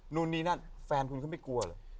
นู่นนี่นั่นแฟนคุณก็ไม่กลัวเลย